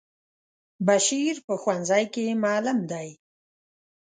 بشیر په ښونځی کی معلم دی.